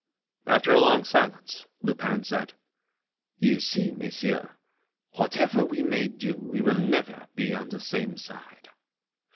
After a long silence, Lupin said: "You see, monsieur, whatever we may do, we will never be on the same side.